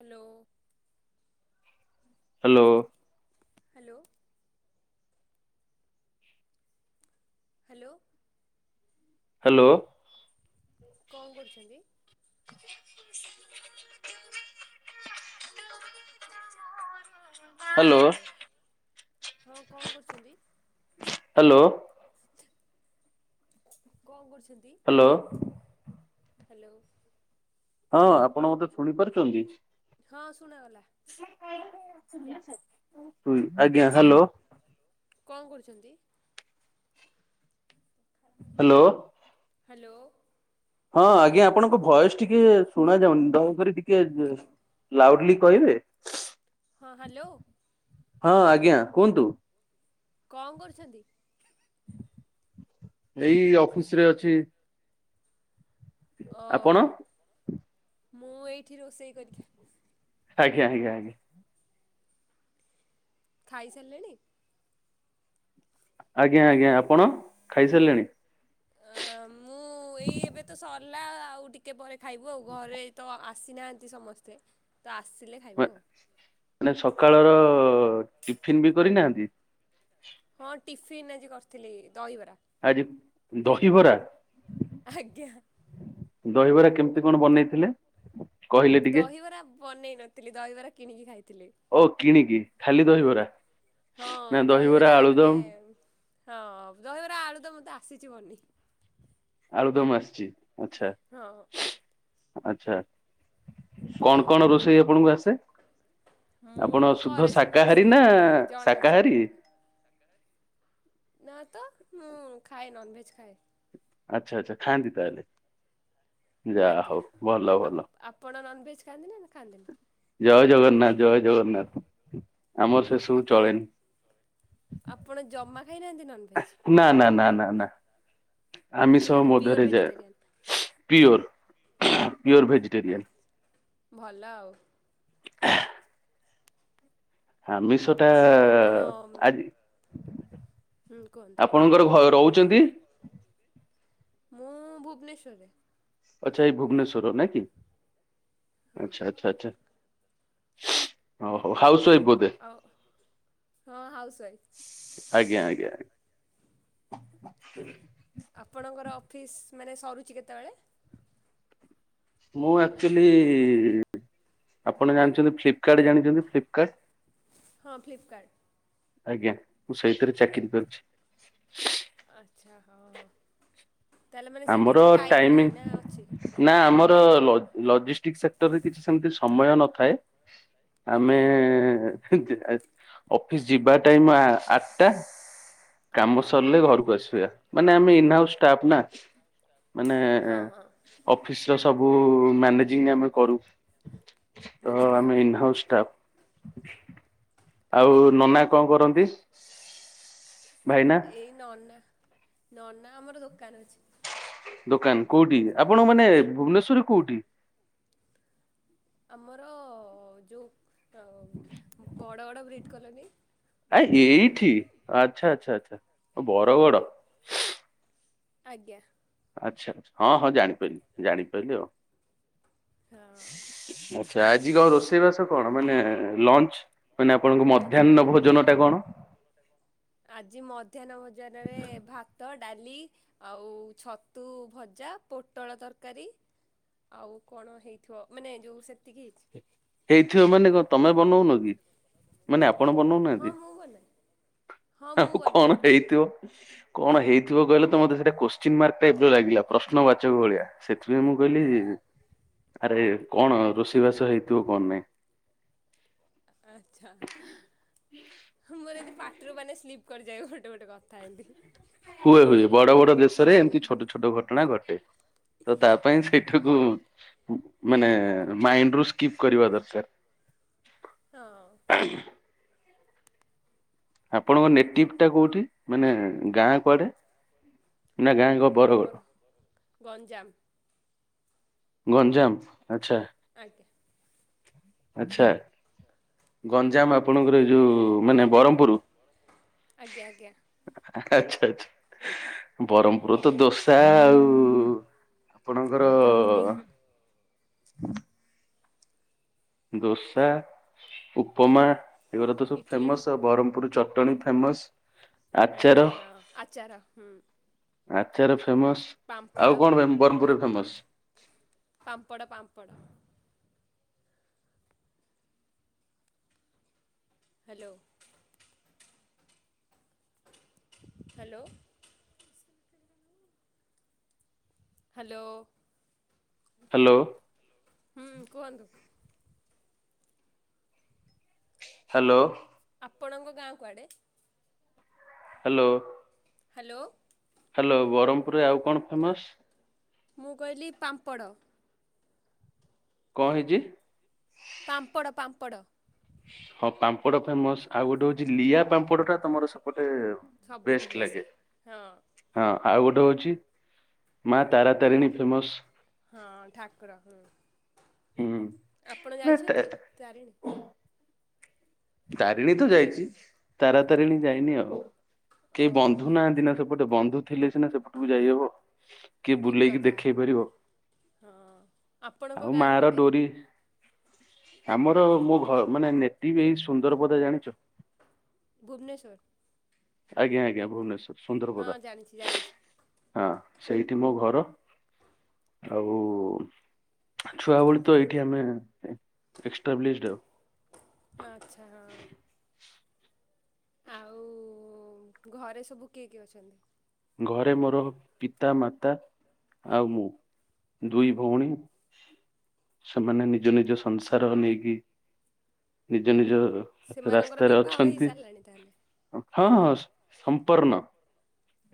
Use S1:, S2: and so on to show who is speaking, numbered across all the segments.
S1: Hello.
S2: Hello.
S1: Hello. Hello.
S2: Hello.
S1: କଣ କରୁଛନ୍ତି। Hello ହଁ କଣ କରୁଛନ୍ତି।
S2: ହ୍ୟାଲୋ।
S1: କଣ କରୁଛନ୍ତି।
S2: ହ୍ୟାଲୋ।
S1: ହ୍ୟାଲୋ।
S2: ହଁ ଆପଣ ମତେ ଶୁଣି ପାରୁଛନ୍ତି?
S1: ହଁ ଶୁଣାଗଲା।
S2: ଆଜ୍ଞ ହ୍ୟାଲୋ।
S1: କଣ କରୁଛନ୍ତି?
S2: ହ୍ୟାଲୋ।
S1: ହ୍ୟାଲୋ।
S2: ହଁ ଆଜ୍ଞା ଆପଣଙ୍କ ଭଏସ୍ ଟିକେ ଶୁଣା ଯାଉନି ଦୟାକରି ଟିକେ ଲାଉଡଲି କହିବେ?
S1: ହଁ ହ୍ୟାଲୋ।
S2: ହଁ ଆଜ୍ଞା କୁହନ୍ତୁ।
S1: କଣ କରୁଛନ୍ତି?
S2: ଏଇ ଅଫିସ୍ ରେ ଅଛି। ଆପଣ
S1: ଓହୋ ମୁଁ ଏଇଠି ରୋଷେଇ କରିକି
S2: ଆଜ୍ଞା ଆଜ୍ଞା ଆଜ୍ଞା।
S1: ଖାଇ ସାରିଲେଣି?
S2: ଆଜ୍ଞା ଆଜ୍ଞା ଆପଣ ଖାଇସାରିଲେଣି?
S1: ଅ ମୁଁ ଏଇ ଏବେ ତ ସରିଲା ଆଉ ଟିକେ ପରେ ଖାଇବୁ ଆଉ ଘରେ ତ ଆସିନାହାନ୍ତି ସମସ୍ତେ ତ ଆସିଲେ ଖାଇବୁ ଆଉ।
S2: ମାନେ ସକାଳର ଟିଫିନ୍ ବି କରିନାହାନ୍ତି?
S1: ହଁ ଟିଫନ୍ ଆଜି କରିଥିଲି ଦହିବରା।
S2: ଆଜି ଦହିବରା?
S1: ଆଜ୍ଞା।
S2: ଦହିବରା କେମିତି କଣ ବନେଇଥିଲେ? କହିଲେ ଟିକେ
S1: ଦହିବରା ବନେଇ ନଥିଲି ଦହିବରା କିଣିକି ଖାଇଥିଲି।
S2: ଓ କିଣିକି ଖାଲି ଦହିବରା
S1: ହଁ
S2: ନା ଦହିବରା
S1: ମାନେ
S2: ଆଳୁଦମ୍।
S1: ହଁ ଦହିବରା ଆଳୁଦମ୍ ମତେ ଆସିଛିି ବନେଇ।
S2: ଆଳୁଦମ୍ ଆସଛି ଆଚଛା।
S1: ହଁ।
S2: ଆଚ୍ଛା କଣ କଣ ରୋଷେଇ ଆପଣଙ୍କୁ ଆସେ?
S1: ମୁଁ
S2: ଆପଣ ସୁଧ
S1: କରେ ସବୁ
S2: ଶାକାହାରୀ
S1: ରୋଷେଇ
S2: ନା
S1: ମାନେ ଜଣା ଅଛି
S2: ଶାକାହାରୀ? [inaudible]
S1: ନା ତ ମୁଁ ଖାଏ ନନ୍ ଭେଜ୍ ଖାଏ।
S2: ଆଚ୍ଛା ଆଚ୍ଛା ଖାଆନ୍ତିି ତାହେଲେ। ଯା
S1: ଆଜ୍ଞା
S2: ହଉ ଭଲ ଭଲ
S1: ଆପ ଆପଣ ନନଭେଜ୍ ଖାଆନ୍ତିନି ନା ଖାଆନ୍ତିନି?
S2: ଜୟ ଜଗନ୍ନାଥ ଜୟ ଜଗନ୍ନାଥ ଆମର ସେସବୁ
S1: ଆପଣ
S2: ଚଳେନି।
S1: ଆପଣ ଜମା ଖାଇନାହାନ୍ତି ନନଭେଜ୍?
S2: ନାଁ ନାଁ ନାଁ ନାଁ ନାଁ।
S1: ଆଚ୍ଛା
S2: ଆମିଷ
S1: ତାହେଲେ
S2: ମୋ
S1: ପିଓର
S2: ଦେହରେ
S1: ଭେଜିଟେରିଆନ୍
S2: ଯାଏ ପିଓର୍ ପିଓର୍
S1: ଆ
S2: ଭେଜିଟେରିଆନ୍।
S1: ଭଲ ଆଉ।
S2: [inaudible] ଆମିଷଟା
S1: ଆଉ ଆପଣ
S2: ଆଜି
S1: ହୁଁ କୁହନ୍ତୁ
S2: ଆପଣଙ୍କର ଘ ରହୁଛନ୍ତି?
S1: ମୁଁ ଭୁବନେଶ୍ଵରରେ।
S2: ଆଚ୍ଛା ଏଇ ଭୁବନେଶ୍ଵରର ନାଇଁକି ଆଚ୍ଛା। ଆଚ୍ଛା ଆଚ୍ଛା ହଉ ହଉ ହାଉସୱାଇଫ୍ ବୋଧେ?
S1: ଆଉ ହଁ ହାଉସ୍ ୱାଇଫ୍।
S2: ଆଜ୍ଞା ଆଜ୍ଞା।
S1: [inaudible]
S2: ସେ [inaudible]
S1: ଆପଣଙ୍କର ଅଫିସ୍ ମାନେ ସରୁଛି କେତେବେଳେ?
S2: ମୁଁ ଆକ୍ଚୁଆଲି ଆପଣ ଜାଣିଛନ୍ତି ଫ୍ଲିପ୍ କାର୍ଡ ଜାଣିଛନ୍ତି ଫ୍ଲିପ୍ କାର୍ଡ?
S1: ହଁ ଫ୍ଲିପ୍ କାର୍ଡ।
S2: ଆଜ୍ଞା ମୁଁ ସେଇଥିରେ ଚାକିରି କରିଛି।
S1: ଆଚ୍ଛା ହଁ ହଁ। ତାହେଲେ ମାନେ ସେମିତି କିଛି ଟାଇମ୍ ନାହିଁ ନା ଅଛି?
S2: ନାଁ ଆମର ଲଜ୍-ଲଜିଷ୍ଟିକ ସେକ୍ଟରରେ କିଛି ସେମିତି ସମୟ ନଥାଏ। ଆମେ
S1: ଆଜ୍ଞା
S2: [unintelligible] ଅଫିସ ଯିବା ଟାଇମ ଆ-ଆଠଟା। କାମ ସରିଲେ ଘରକୁ ଆସିବା। ମାନେ ଆମେ ଇନହାଉସ୍ ଷ୍ଟାଫ୍ ନା। ମାନେ
S1: ହଁ ହଁ
S2: ଅଫିସର ସବୁ ମ୍ୟାନେଜିଂ ଆମେ କରୁ। ତ
S1: ବୁଝିଲି ହଁ
S2: ଆମେ ଇନହାଉସ୍ ଷ୍ଟାଫ୍।
S1: ହଁ
S2: ଆଉ ନନା କଣ କରନ୍ତି? ଭାଇନା
S1: ଏଇ ନନା, ନନା ଆମର ଦୋକାନ ଅଛି।
S2: ଦୋକାନ କୋଉଠି? ଆପଣ ମାନେ ଭୁବନେଶ୍ଵରରେ କୋଉଠି?
S1: ଆମର ଯୋଉ ଅଁ ବଡ଼ଗଡ଼ ବ୍ରିଡ଼୍ କଲୋନି?
S2: ଆଃ ଏଇଠି ଆଚ୍ଛା ଆଚ୍ଛା ଆଚ୍ଛା ବରଗଡ।
S1: ଆଜ୍ଞା।
S2: ଆଚ୍ଛା ଆଚ୍ଛା ହଁ ହଁ ଜାଣିପାରିଲି ଜାଣିପାରିଲି ଆଉ।
S1: ହଁ।
S2: ଆଚ୍ଛା ଆଜି କଣ ରୋଷେଇ ବାସ କଣ? ମାନେ ଲଞ୍ଚ ମାନେ ଆପଣଙ୍କ
S1: ଆଜି
S2: ମଧ୍ୟାହ୍ନ ଭୋଜନ ଟା କଣ?
S1: ଆଜି ମଧ୍ୟାହ୍ନ ଭୋଜନରେ ଭାତ ଡାଲି, ଆଉ ଛତୁ ଭଜା, ପୋଟଳ ତରକାରୀ ଆଉ କଣ ହେଇଥିବ ମାନେ ଯୋଉ ସେତିକି ହେଇଛି।
S2: ହେଇଥିବ ମାନେ କଣ? ତମେ ବନଉନ କି? ମାନେ ଆପଣ
S1: ହଁ
S2: ବନଉନାହାଁନ୍ତି?
S1: ମୁଁ ବନାଏ। ହଁ ମୁଁ
S2: ଆଉ
S1: ବନାଏ।
S2: କଣ ହେଇଥିବ? କଣ ହେଇଥିବ କହିଲେ ତ ମତେ ସେଇଟା କୋଶ୍ଚିନ୍ ମାର୍କ ଟାଇପର ଲାଗିଲା ପ୍ରଶ୍ନବାଚକ ଭଳିଆ। ସେଥିପାଇଁ ମୁଁ କହିଲି ଆରେ କଣ ରୋଷେଇ ବାସ ହେଇଥିବ କଣ ନାହିଁ।
S1: ଆଚ୍ଛା। ମୋର ଏମିତି ପାଟିରୁ ମାନେ ସ୍ଲିପ୍ କରିଯାଏ ଗୋଟେ ଗୋଟେ କଥା ଏମିତି।
S2: ହୁଏ ହୁଏ ବଡ ବଡ ଦେଶରେ ଏମିତି ଛୋଟ ଛୋଟ ଘଟଣା ଘଟେ। ତ ତା ପାଇଁ ସେଇ ଟାକୁ ମାନେ ମାଇଣ୍ଡରୁ ସ୍କିପ କରିବା ଦରକାର।
S1: ହଁ।
S2: ଆଁହୁଁହୁଁ। ଆପଣଙ୍କ ନେଟିଭ୍ ଟା କୋଉଠି? ମାନେ ଗାଁ କୁଆଡେ? ନା ଗାଁ କ ବରଗଡ଼?
S1: ଆମର ଗଞ୍ଜାମ।
S2: ଗଞ୍ଜାମ ଆଚ୍ଛା।
S1: ଆଜ୍ଞା।
S2: ଆଚ୍ଛା।
S1: ହୁଁ
S2: ଗଞ୍ଜାମ ଆପଣଙ୍କର ଏଇ ଯୋଉ ମାନେ ବରହମପୁରୁ?
S1: ଆଜ୍ଞା ଆଜ୍ଞା।
S2: ଆଚ୍ଛା ଆଚ୍ଛା। ବରହମପୁର। ତ ଦୋସା ଆଉ ଆପଣଙ୍କର
S1: ଚଟଣି,
S2: ହୁଁ ଦୋସା, ଉପମା ଏଗୁଡା ତ ସବୁ
S1: ଇଟଲି
S2: ଫେମସ୍ ଆଉ। ବରହମପୁର ଚଟଣୀ ତ ଫେମସ୍।
S1: ଆଜ୍ଞା ହଁ ଆଚାର ହୁଁ।
S2: ଆଚର ଫେମସ
S1: ପାମ୍ପଡ଼
S2: ଆଉ କଣ ବ୍ରହ୍ମପୁରରେ ଫେମସ।
S1: ପାମ୍ପଡ଼ ପାମ୍ପଡ଼। ହ୍ୟାଲୋ ହ୍ୟାଲୋ ହ୍ୟାଲୋ
S2: ହ୍ୟାଲୋ
S1: ହୁଁ କୁହନ୍ତୁ।
S2: ହ୍ୟାଲୋ
S1: ଆପଣଙ୍କ ଗାଁ କୁଆଡ଼େ?
S2: ହ୍ୟାଲୋ
S1: ହ୍ୟାଲୋ
S2: ହ୍ୟାଲୋ ବ୍ରହ୍ମପୁରୀ ଆଉ କଣ ଫେମସ।
S1: ମୁଁ କହିଲି ପାମ୍ପଡ଼।
S2: କଂ ହେଇଚି।
S1: ପାମ୍ପଡ଼ ପାମ୍ପଡ଼
S2: ହଁ ପାମ୍ପଡ଼ ଫେମସ ଆଉ ଗୋଟେ ହଉଛି ଲିଆ ପାମ୍ପଡ ଟା ତମର ସେପଟେ
S1: ସବୁଠୁ
S2: ବେଷ୍ଟ ଲାଗେ
S1: ବେଶୀ ହଁ
S2: ହଁ ଆଉ ଗୋଟେ ହଉଛି ମା ତାରାତାରିଣୀ ଫେମସ।
S1: ହଁ ଠାକୁର ହୁଁ
S2: ହୁଁ
S1: ଆପଣ
S2: ନା ତା-
S1: ଯାଇଛନ୍ତି ତାରିଣୀ।
S2: ତାରିଣୀ ତ ଯାଇଛି ତାରାତାରିଣୀ ଯାଇନି ଆଉ। କେହି
S1: ଓହୋ
S2: ବନ୍ଧୁ ନାହାନ୍ତି ନା ସେପଟେ ବନ୍ଧୁ ଥିଲେ ସିନା ସେପଟକୁ ଯାଇହବ। କିଏ
S1: ଠିକ୍
S2: ବୁଲେଇକି
S1: କଥା
S2: ଦେଖେଇ ପାରିବ।
S1: ହଁ ଆପଣଙ୍କ
S2: ଆଉ
S1: ଗାଁ
S2: ମା ର
S1: କୁଆଡ଼େ
S2: ଡୋରି। ଆମର ମୋ ଘ ମାନେ ନେତି ବି ଏଇ ସୁନ୍ଦର ପଦା ଜାଣିଚ।
S1: ଭୁବନେଶ୍ୱର।
S2: ଆଜ୍ଞା ଆଜ୍ଞା ଭୁବନେଶ୍ଵର
S1: ହଁ
S2: ସୁନ୍ଦରପଦା
S1: ଜାଣିଛି ଜାଣିଛି
S2: ହଁ ସେଇଠି ମୋ ଘର- - ଆଉ ଛୁଆ ଭଳି ତ ଏଇଠି ଆମେ ଏକ୍ସଟାାବ୍ଲିଶଡ ଆଉ।
S1: ଆଚଛା ହଁ ଆଉ ଘରେ ସବୁ କିଏ କିଏ ଅଛନ୍ତି?
S2: ଘରେ ମୋର ପିତା ମାତା- - ଆଉ ମୁଁ ଦୁଇ ଭଉଣୀ - - ସେମାନେ ନିଜ ନିଜ ସଂସାର ନେଇକି ନିଜ ନିଜ - -
S1: ସେମାନଙ୍କର
S2: ରାସ୍ତାରେ
S1: ବିବାହ
S2: ଅଛନ୍ତି
S1: ହେଇସାରିଲାଣି ତାହେଲେ
S2: ହଁ ହଁ ସମ୍ପୂର୍ଣ।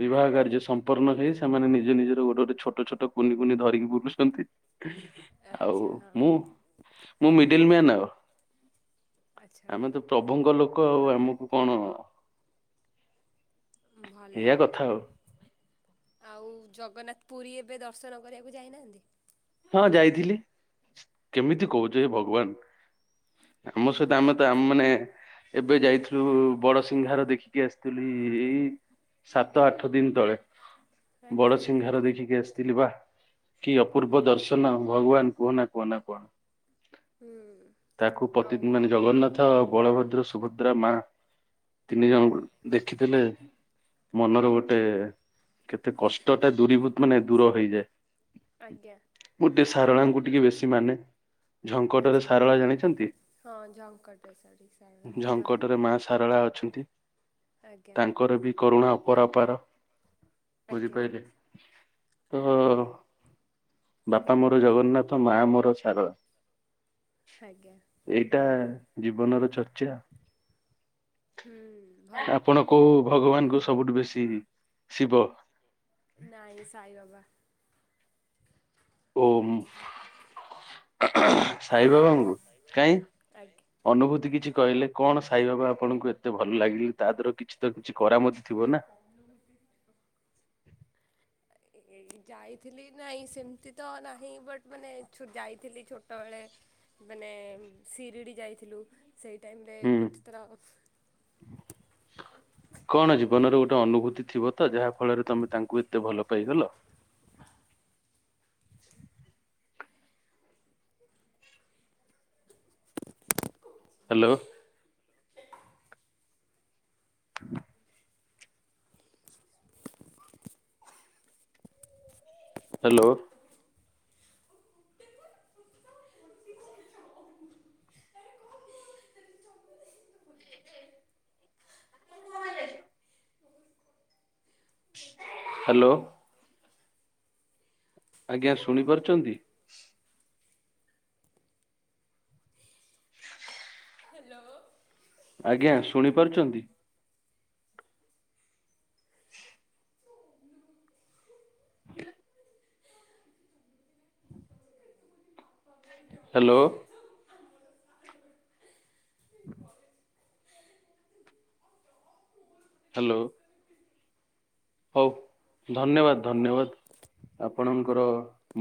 S2: ବିବାହ କାର୍ଯ୍ୟ ସମ୍ପନ୍ନ ହେଇ ସେମାନେ ନିଜ ନିଜର ଗୋଟେ ଗଟେ ଛୋଟ ଛୋଟ କୁନି କୁନି ଧରିକି ବୁଲୁଛନ୍ତି। ଆଉ
S1: ଆଚ୍ଛା ହଁ
S2: ମୁଁ ମୁଁ ମିଡିଲ ମ୍ୟାନ ଆଉ।
S1: ଆଚ୍ଛା
S2: ଆମେ ତ ପ୍ରଭୁଙ୍କ ଲୋକ ଆଉ ଆମକୁ କଣ?
S1: ଭଲ
S2: ହଉ
S1: ଆଉ ଜଗନ୍ନାଥ ପୁରୀ ଏବେ ଦର୍ଶନ କରିବାକୁ ଯାଇନାହାନ୍ତି।
S2: ହଁ ଯାଇଥିଲି କେମିତି କହୁଚ ଏ ଭଗବାନ। ଆମ ସହିତ ଆମେ ତ ଆମ ମାନେ। ଏବେ ଯାଇଥିଲୁ ବଡସିିଂହାରହାର ଦେଖିକି ଆସିଥିଲି ଏଇ - - ସାତ ଆଠ ଦିନ ତଳେ ବଡ
S1: ଆଜ୍ଞା
S2: ସିଂଙ୍ଗାର ଦେଖିକି ଆସିଥିଲି ବା କି ଅପୂ ର୍ବ ଦର୍ଶନ ଭଗବାନ କୁହ ନା କୁହ ନା କହନା।
S1: ହୁଁ
S2: ତାକୁ ପତି ତି
S1: ଆଉ
S2: ମାନେ ଜଗନ୍ନାଥ। ତ ବଳଭଦ୍ର ସୁଭଦ୍ରା ମା ତିନି
S1: ହୁଁ
S2: ଜଣ ଦେଖି ଦେଲେ। ମନର ଗୋଟେ କେତେ କଷ୍ଟ ଟା ଦୂରୀଭୂତ ମାନେ ଦୂର ହେଇଯାଏ
S1: ଆଜ୍ଞା
S2: ମୁଁ ଟିକେ ସାରଳାଙ୍କୁ ଟିକେ ବେଶୀ ମାନେ ଝଙ୍କଟରେ
S1: ଆଚ୍ଛା
S2: ସାରଳା ଜାଣିଛନ୍ତି
S1: ହଁ ଝଙ୍କଟେଶ୍ୱରୀ ସଠିକ୍ ସାରଳା
S2: ଝଙ୍କଟରେ ମା ସାରଳା ଅଛନ୍ତି
S1: ଆଜ୍ଞା
S2: କରେ ବି କରୁଣା ଅପରାପାର
S1: ଆଜ୍ଞା
S2: ବୁଝିପାରିଲେ ତ ବାପା ମୋର ଜଗନ୍ନାଥ ମା ମୋର ସାରଳା
S1: ଆଜ୍ଞା
S2: ଏଇଟା ଜୀବନର ଚର୍ଚ୍ଚା
S1: ହୁଁ ଭଲ
S2: ଆପଣ କୋଉ ଭଗବାନଙ୍କୁୁ ସବୁଠୁ ବେଶୀ ଶିବ
S1: ନାଇଁ ସାଇ ବାବା
S2: ଓମ୍ ସାଇ ବାବାଙ୍କୁ କାହିଁ
S1: ଆଜ୍ଞା।
S2: ଅନୁଭୂତି କିଛି କହିଲେ କଣ ସାଇବାକୁ ଆପଣଙ୍କୁ ଏତେ ଭଲ ଲାଗିଲେ ତା ଧିଅରୁ କିଛି ତ କିଛି କରାମତି ଥିବ ନା
S1: ଅନୁଭୁତି ଥିବ ଏ ଯାଇଥିଲି ନାଇଁ ସେମିତି ତ ନାହିଁ ବଟ୍ ମାନେ ଯାଇଥିଲି ଛୋଟ ବେଳେ ମାନେ ଶିରିଡ଼ି ଯାଇଥିଲୁ ସେଇ ଟାଇମିରେ ଗୋଟେ ଥର
S2: ହଁ କଣ ଜୀବନରେ ଗୋଟେ ଅନୁଭୂତି ଥିବ ତ ଯାହା ଫଳରେ ତମେ ତାଙ୍କୁ ଏତେ ଭଲ ପାଇଗଲ ହ୍ୟାଲୋ [inaudible] ହ୍ୟାଲୋ ତୁ କଣ ହ୍ୟାଲୋ ଆଜ୍ଞା ଶୁଣିପାରୁଛନ୍ତି
S1: ହ୍ୟାଲୋ
S2: ଆଜ୍ଞା ଶୁଣିପାରୁଛନ୍ତି
S1: ହ୍ୟାଲୋ।
S2: ହଁ ହ୍ୟାଲୋ ହଁ ହ୍ୟାଲୋ ହଉ ଧନ୍ୟବାଦ୍ ଧନ୍ୟବାଦ୍ ଆପଣଙ୍କର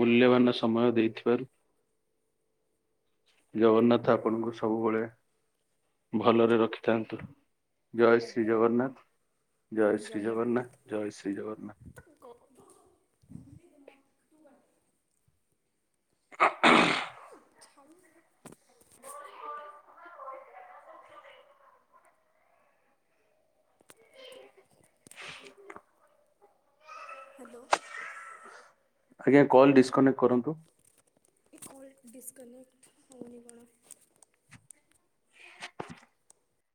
S2: ମୂଲ୍ୟବାନ୍ ସମୟ ଦେଇଥିବାରୁ ଜଗନ୍ନାଥ ଆପଣଙ୍କୁ ସବୁବେଳେ ଭଲରେ ରଖିଥାନ୍ତୁ ଜୟ ଶ୍ରୀ
S1: ଆଜ୍ଞା
S2: ଜଗନ୍ନାଥ ଜୟ ଶ୍ରୀ ଜଗନ୍ନାଥ ଜୟ ଶ୍ରୀ ଜଗନ୍ନାଥ
S1: କହୁନୁ
S2: ହହ
S1: ଛାଡ଼ୁନୁ
S2: ହୁଁ
S1: ହ୍ୟାଲୋ
S2: ଆଜ୍ଞା କଲ୍ ଡିସିକନେକ୍ଟେ କରନ୍ତୁ
S1: କଲ୍ ଡିସ୍ କନେକ୍ଟେ ହେଉନି ମୋର